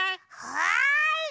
はい！